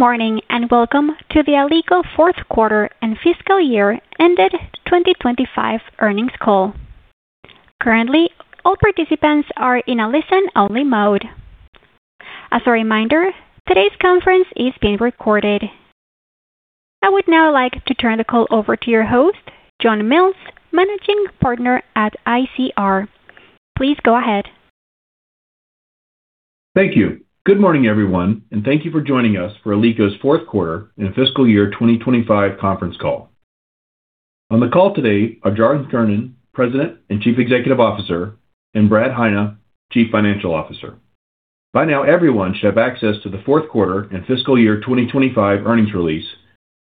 Morning and welcome to the Alico fourth quarter and fiscal year ended 2025 earnings call. Currently, all participants are in a listen-only mode. As a reminder, today's conference is being recorded. I would now like to turn the call over to your host, John Mills, Managing Partner at ICR. Please go ahead. Thank you. Good morning, everyone, and thank you for joining us for Alico's fourth quarter and fiscal year 2025 conference call. On the call today are John Kiernan, President and Chief Executive Officer, and Brad Heine, Chief Financial Officer. By now, everyone should have access to the fourth quarter and fiscal Year 2025 earnings release,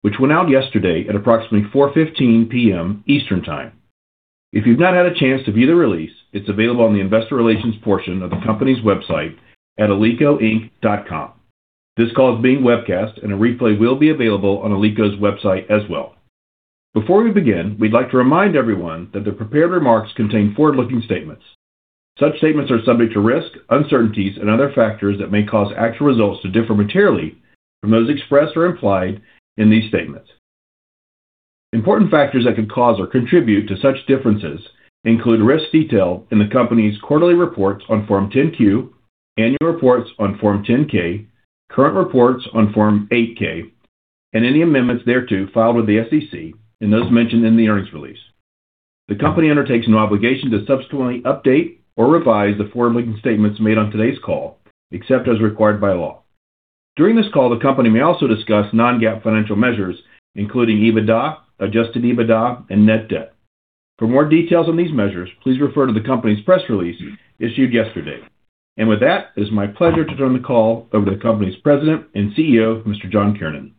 which went out yesterday at approximately 4:15 P.M. Eastern Time. If you've not had a chance to view the release, it's available on the Investor Relations portion of the company's website at alicoinc.com. This call is being webcast, and a replay will be available on Alico's website as well. Before we begin, we'd like to remind everyone that the prepared remarks contain forward-looking statements. Such statements are subject to risk, uncertainties, and other factors that may cause actual results to differ materially from those expressed or implied in these statements. Important factors that could cause or contribute to such differences include risk detail in the company's quarterly reports on Form 10-Q, annual reports on Form 10-K, current reports on Form 8-K, and any amendments thereto filed with the SEC and those mentioned in the earnings release. The company undertakes no obligation to subsequently update or revise the forward-looking statements made on today's call, except as required by law. During this call, the company may also discuss non-GAAP financial measures, including EBITDA, adjusted EBITDA, and net debt. For more details on these measures, please refer to the company's press release issued yesterday. It is my pleasure to turn the call over to the company's President and CEO, Mr. John Kiernan.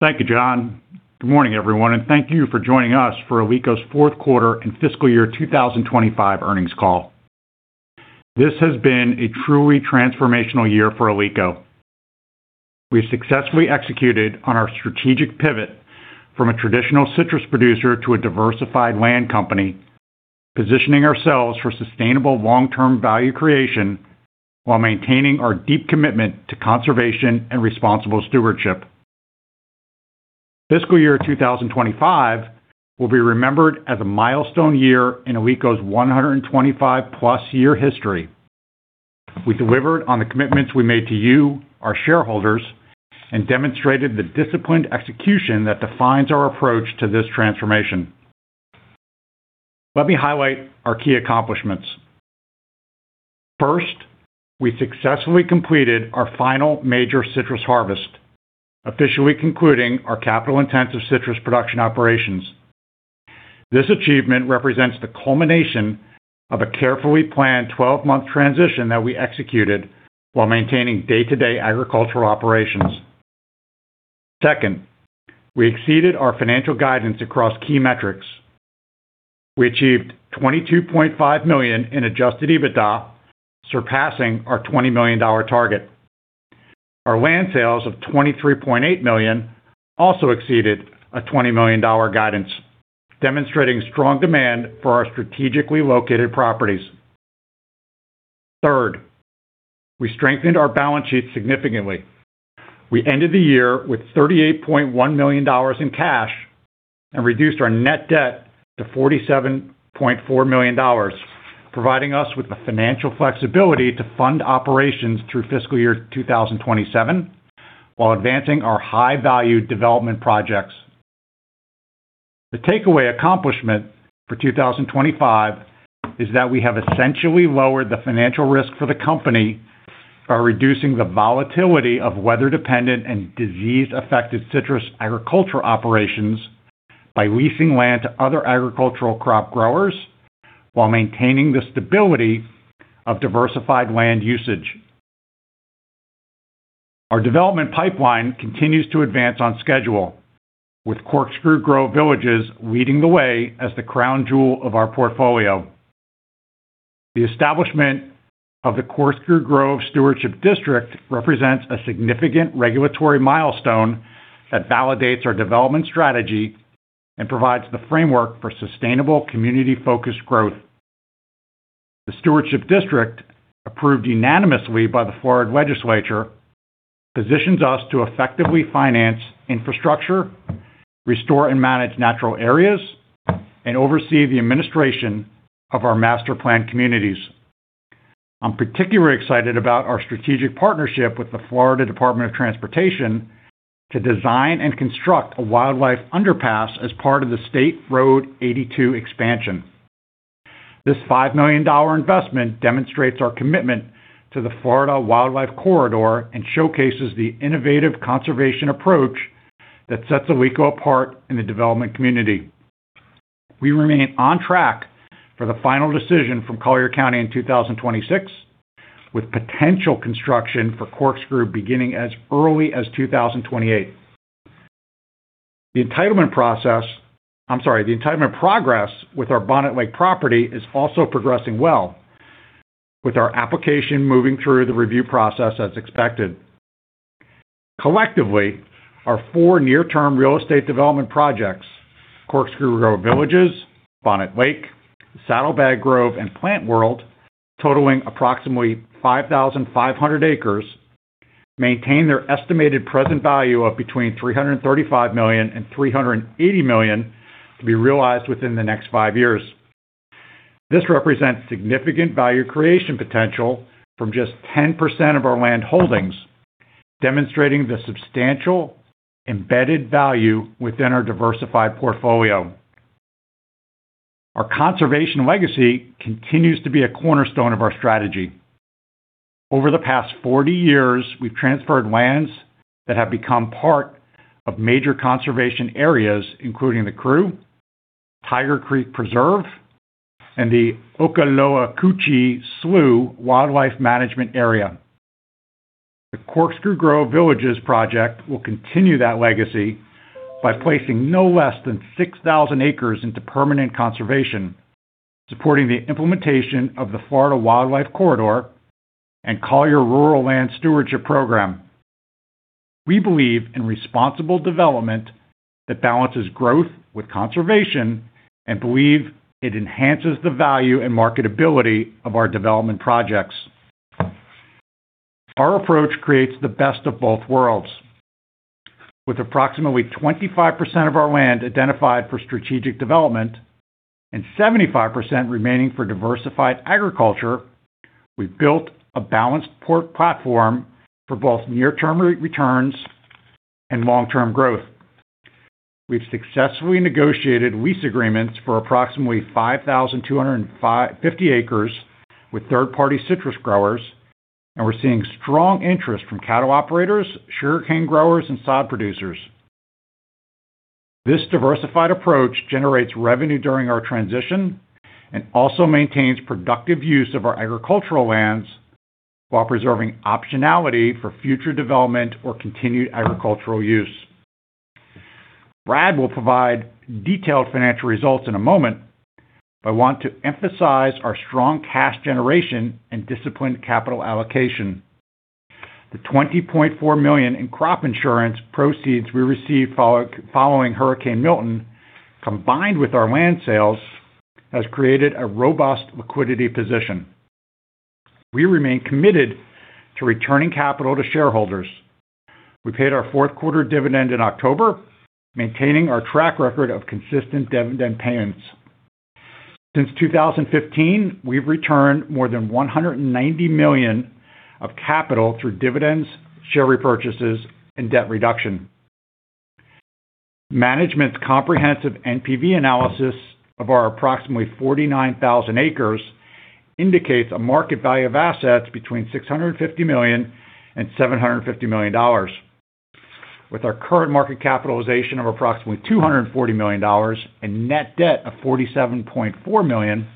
Thank you, John. Good morning, everyone, and thank you for joining us for Alico's fourth quarter and fiscal year 2025 earnings call. This has been a truly transformational year for Alico. We've successfully executed on our strategic pivot from a traditional citrus producer to a diversified land company, positioning ourselves for sustainable long-term value creation while maintaining our deep commitment to conservation and responsible stewardship. Fiscal year 2025 will be remembered as a milestone year in Alico's 125+ year history. We delivered on the commitments we made to you, our shareholders, and demonstrated the disciplined execution that defines our approach to this transformation. Let me highlight our key accomplishments. First, we successfully completed our final major citrus harvest, officially concluding our capital-intensive citrus production operations. This achievement represents the culmination of a carefully planned 12-month transition that we executed while maintaining day-to-day agricultural operations. Second, we exceeded our financial guidance across key metrics. We achieved $22.5 million in adjusted EBITDA, surpassing our $20 million target. Our land sales of $23.8 million also exceeded a $20 million guidance, demonstrating strong demand for our strategically located properties. Third, we strengthened our balance sheet significantly. We ended the year with $38.1 million in cash and reduced our net debt to $47.4 million, providing us with the financial flexibility to fund operations through fiscal year 2027 while advancing our high-value development projects. The takeaway accomplishment for 2025 is that we have essentially lowered the financial risk for the company by reducing the volatility of weather-dependent and disease-affected citrus agriculture operations by leasing land to other agricultural crop growers while maintaining the stability of diversified land usage. Our development pipeline continues to advance on schedule, with Corkscrew Grove Villages leading the way as the crown jewel of our portfolio. The establishment of the Corkscrew Grove Stewardship District represents a significant regulatory milestone that validates our development strategy and provides the framework for sustainable community-focused growth. The Stewardship District, approved unanimously by the Florida Legislature, positions us to effectively finance infrastructure, restore and manage natural areas, and oversee the administration of our master plan communities. I'm particularly excited about our strategic partnership with the Florida Department of Transportation to design and construct a wildlife underpass as part of the State Road 82 expansion. This $5 million investment demonstrates our commitment to the Florida Wildlife Corridor and showcases the innovative conservation approach that sets Alico apart in the development community. We remain on track for the final decision from Collier County in 2026, with potential construction for Corkscrew beginning as early as 2028. The entitlement process, I'm sorry, the entitlement progress with our Bonnet Lake property is also progressing well, with our application moving through the review process as expected. Collectively, our four near-term real estate development projects, Corkscrew Grove Villages, Bonnet Lake, Saddlebag Grove, and Plant World, totaling approximately 5,500 acres, maintain their estimated present value of between $335 million and $380 million to be realized within the next five years. This represents significant value creation potential from just 10% of our land holdings, demonstrating the substantial embedded value within our diversified portfolio. Our conservation legacy continues to be a cornerstone of our strategy. Over the past 40 years, we've transferred lands that have become part of major conservation areas, including the CREW, Tiger Creek Preserve, and the Okaloacoochee Slough Wildlife Management Area. The Corkscrew Grove Villages project will continue that legacy by placing no less than 6,000 acres into permanent conservation, supporting the implementation of the Florida Wildlife Corridor and Collier Rural Land Stewardship Program. We believe in responsible development that balances growth with conservation and believe it enhances the value and marketability of our development projects. Our approach creates the best of both worlds. With approximately 25% of our land identified for strategic development and 75% remaining for diversified agriculture, we've built a balanced port platform for both near-term returns and long-term growth. We've successfully negotiated lease agreements for approximately 5,250 acres with third-party citrus growers, and we're seeing strong interest from cattle operators, sugarcane growers, and sod producers. This diversified approach generates revenue during our transition and also maintains productive use of our agricultural lands while preserving optionality for future development or continued agricultural use. Brad will provide detailed financial results in a moment, but I want to emphasize our strong cash generation and disciplined capital allocation. The $20.4 million in crop insurance proceeds we received following Hurricane Milton, combined with our land sales, has created a robust liquidity position. We remain committed to returning capital to shareholders. We paid our fourth quarter dividend in October, maintaining our track record of consistent dividend payments. Since 2015, we've returned more than $190 million of capital through dividends, share repurchases, and debt reduction. Management's comprehensive NPV analysis of our approximately 49,000 acres indicates a market value of assets between $650 million and $750 million. With our current market capitalization of approximately $240 million and net debt of $47.4 million,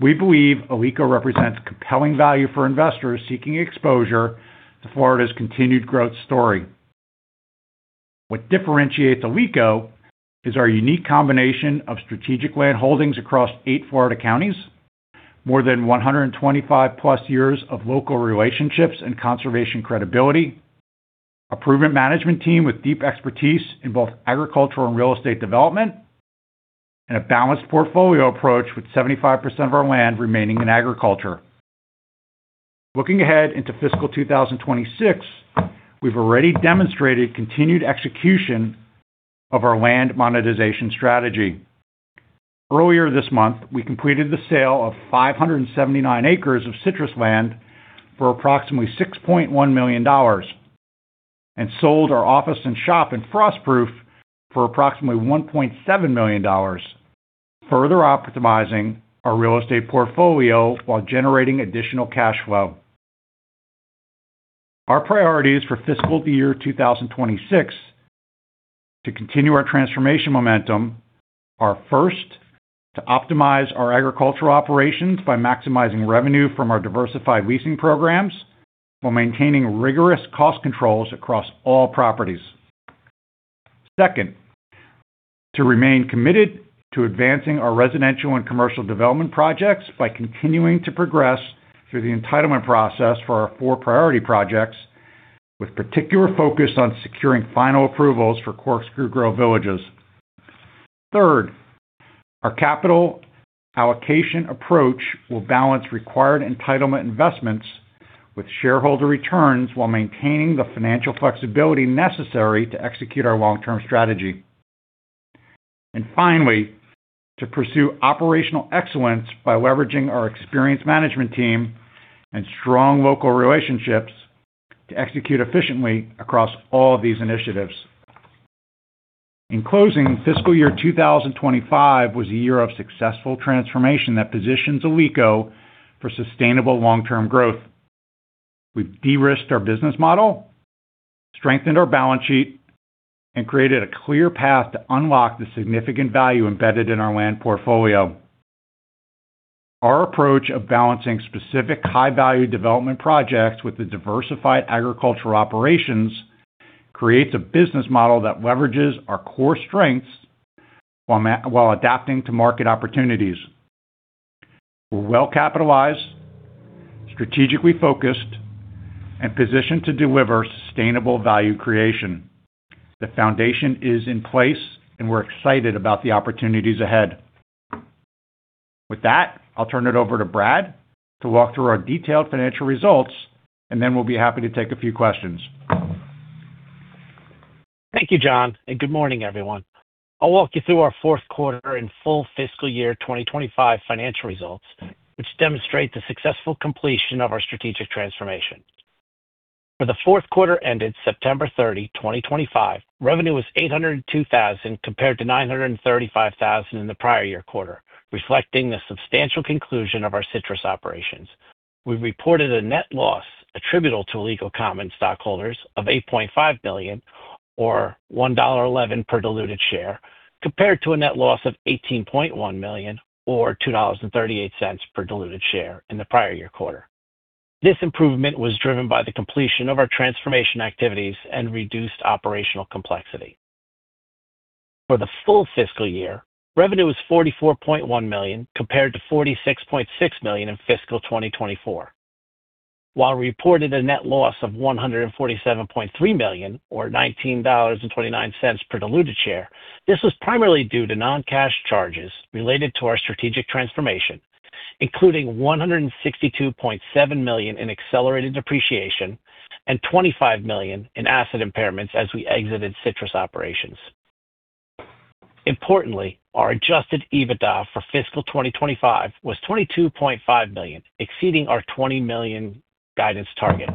we believe Alico represents compelling value for investors seeking exposure to Florida's continued growth story. What differentiates Alico is our unique combination of strategic land holdings across eight Florida counties, more than 125+ years of local relationships and conservation credibility, a proven management team with deep expertise in both agricultural and real estate development, and a balanced portfolio approach with 75% of our land remaining in agriculture. Looking ahead into fiscal 2026, we've already demonstrated continued execution of our land monetization strategy. Earlier this month, we completed the sale of 579 acres of citrus land for approximately $6.1 million and sold our office and shop in Frostproof for approximately $1.7 million, further optimizing our real estate portfolio while generating additional cash flow. Our priorities for fiscal year 2026, to continue our transformation momentum, are first, to optimize our agricultural operations by maximizing revenue from our diversified leasing programs while maintaining rigorous cost controls across all properties. Second, to remain committed to advancing our residential and commercial development projects by continuing to progress through the entitlement process for our four priority projects, with particular focus on securing final approvals for Corkscrew Grove Villages. Third, our capital allocation approach will balance required entitlement investments with shareholder returns while maintaining the financial flexibility necessary to execute our long-term strategy. Finally, to pursue operational excellence by leveraging our experienced management team and strong local relationships to execute efficiently across all of these initiatives. In closing, fiscal year 2025 was a year of successful transformation that positions Alico for sustainable long-term growth. We've de-risked our business model, strengthened our balance sheet, and created a clear path to unlock the significant value embedded in our land portfolio. Our approach of balancing specific high-value development projects with the diversified agricultural operations creates a business model that leverages our core strengths while adapting to market opportunities. We're well-capitalized, strategically focused, and positioned to deliver sustainable value creation. The foundation is in place, and we're excited about the opportunities ahead. With that, I'll turn it over to Brad to walk through our detailed financial results, and then we'll be happy to take a few questions. Thank you, John, and good morning, everyone. I'll walk you through our fourth quarter and full fiscal year 2025 financial results, which demonstrate the successful completion of our strategic transformation. For the fourth quarter ended September 30, 2025, revenue was $802,000 compared to $935,000 in the prior year quarter, reflecting the substantial conclusion of our citrus operations. We reported a net loss attributable to Alico common stockholders of $8.5 million, or $1.11 per diluted share, compared to a net loss of $18.1 million, or $2.38 per diluted share in the prior year quarter. This improvement was driven by the completion of our transformation activities and reduced operational complexity. For the full fiscal year, revenue was $44.1 million compared to $46.6 million in fiscal 2024. While we reported a net loss of $147.3 million, or $19.29 per diluted share, this was primarily due to non-cash charges related to our strategic transformation, including $162.7 million in accelerated depreciation and $25 million in asset impairments as we exited citrus operations. Importantly, our adjusted EBITDA for fiscal 2025 was $22.5 million, exceeding our $20 million guidance target.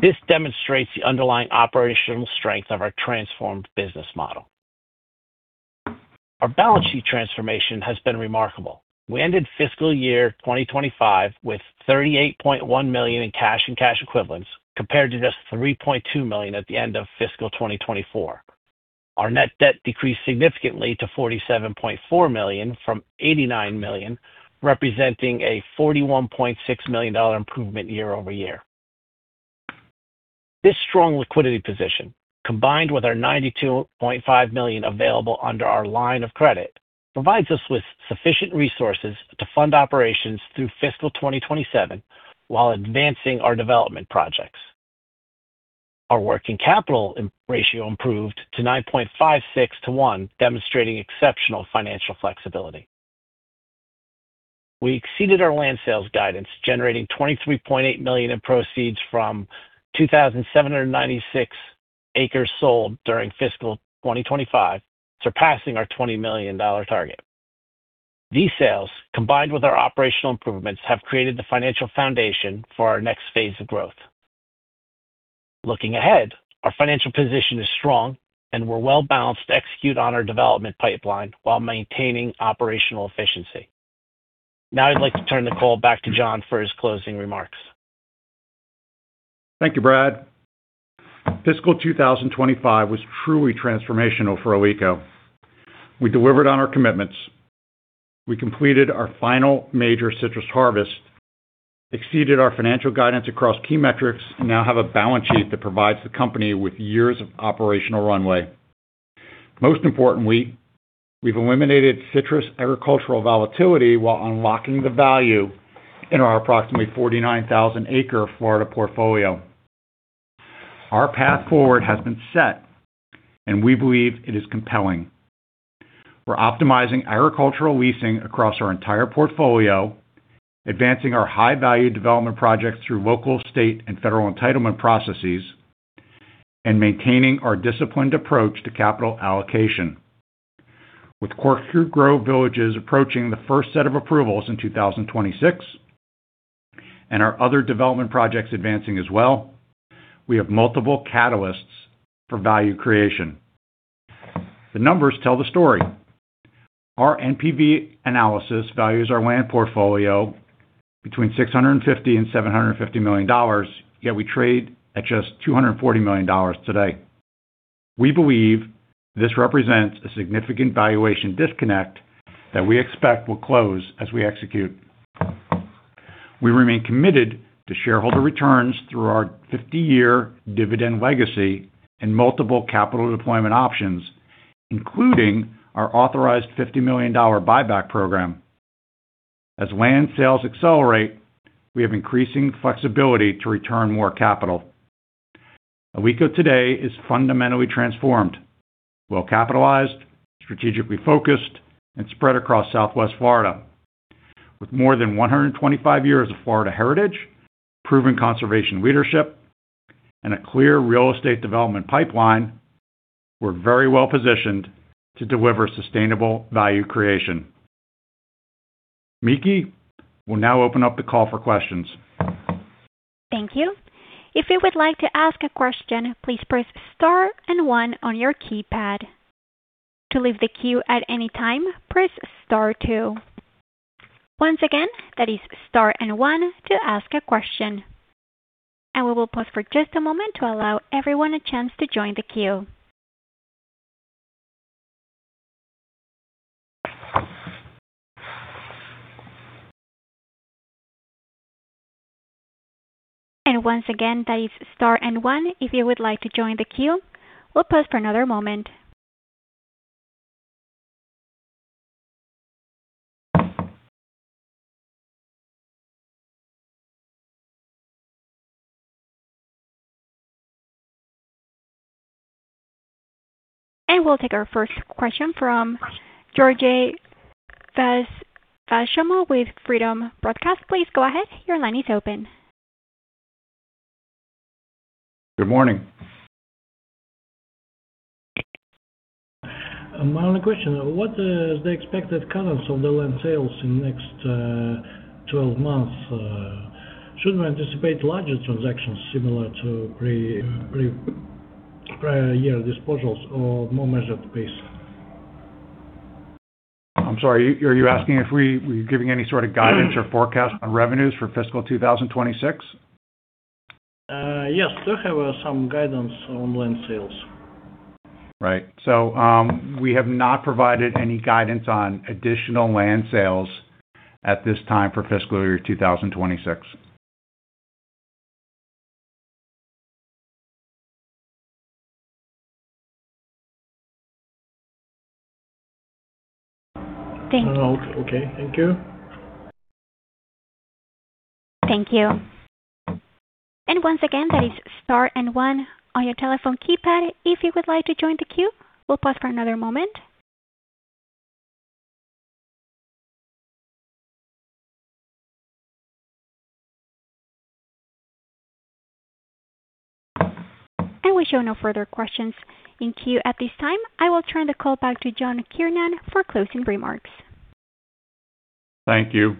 This demonstrates the underlying operational strength of our transformed business model. Our balance sheet transformation has been remarkable. We ended fiscal year 2025 with $38.1 million in cash and cash equivalents compared to just $3.2 million at the end of fiscal 2024. Our net debt decreased significantly to $47.4 million from $89 million, representing a $41.6 million improvement year-over-year. This strong liquidity position, combined with our $92.5 million available under our line of credit, provides us with sufficient resources to fund operations through fiscal 2027 while advancing our development projects. Our working capital ratio improved to 9.56 to 1, demonstrating exceptional financial flexibility. We exceeded our land sales guidance, generating $23.8 million in proceeds from 2,796 acres sold during fiscal 2025, surpassing our $20 million target. These sales, combined with our operational improvements, have created the financial foundation for our next phase of growth. Looking ahead, our financial position is strong, and we're well-balanced to execute on our development pipeline while maintaining operational efficiency. Now, I'd like to turn the call back to John for his closing remarks. Thank you, Brad. Fiscal 2025 was truly transformational for Alico. We delivered on our commitments. We completed our final major citrus harvest, exceeded our financial guidance across key metrics, and now have a balance sheet that provides the company with years of operational runway. Most importantly, we've eliminated citrus agricultural volatility while unlocking the value in our approximately 49,000-acre Florida portfolio. Our path forward has been set, and we believe it is compelling. We're optimizing agricultural leasing across our entire portfolio, advancing our high-value development projects through local, state, and federal entitlement processes, and maintaining our disciplined approach to capital allocation. With Corkscrew Grove Villages approaching the first set of approvals in 2026 and our other development projects advancing as well, we have multiple catalysts for value creation. The numbers tell the story. Our NPV analysis values our land portfolio between $650 million and $750 million, yet we trade at just $240 million today. We believe this represents a significant valuation disconnect that we expect will close as we execute. We remain committed to shareholder returns through our 50-year dividend legacy and multiple capital deployment options, including our authorized $50 million buyback program. As land sales accelerate, we have increasing flexibility to return more capital. Alico today is fundamentally transformed, well-capitalized, strategically focused, and spread across Southwest Florida. With more than 125 years of Florida heritage, proven conservation leadership, and a clear real estate development pipeline, we're very well positioned to deliver sustainable value creation. Mikki, we'll now open up the call for questions. Thank you. If you would like to ask a question, please press star and one on your keypad. To leave the queue at any time, press star 2. Once again, that is star and one to ask a question. We will pause for just a moment to allow everyone a chance to join the queue. Once again, that is star and one if you would like to join the queue. We will pause for another moment. We will take our first question from George Vasashamo with Freedom Broadcast. Please go ahead. Your line is open. Good morning. My only question: what is the expected cadence of the land sales in the next 12 months? Should we anticipate larger transactions similar to prior year disposals or more measured pace? I'm sorry. Are you asking if we're giving any sort of guidance or forecast on revenues for fiscal 2026? Yes. We do have some guidance on land sales. Right. We have not provided any guidance on additional land sales at this time for fiscal year 2026. Thank you. Okay. Thank you. Thank you. Once again, that is star and one on your telephone keypad. If you would like to join the queue, we'll pause for another moment. We show no further questions in queue at this time. I will turn the call back to John Kiernan for closing remarks. Thank you.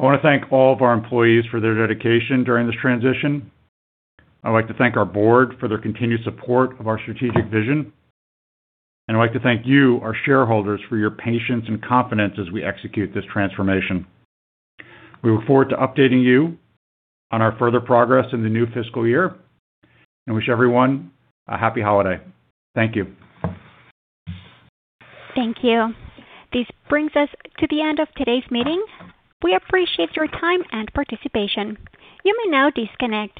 I want to thank all of our employees for their dedication during this transition. I would like to thank our board for their continued support of our strategic vision. I would like to thank you, our shareholders, for your patience and confidence as we execute this transformation. We look forward to updating you on our further progress in the new fiscal year and wish everyone a happy holiday. Thank you. Thank you. This brings us to the end of today's meeting. We appreciate your time and participation. You may now disconnect.